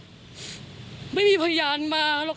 ไม่มีพยานมาหรอกค่ะ